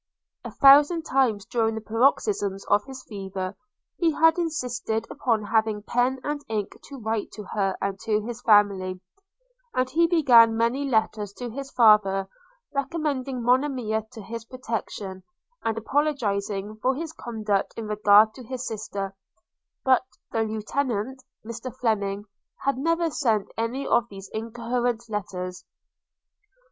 A thousand times during the paroxysms of his fever he had insisted upon having pen and ink to write to her and to his family; and he began many letters to his father, recommending Monimia to his protection, and apologising for his conduct in regard to his sister; but the Lieutenant, Mr Fleming, had never sent any of these incoherent letters.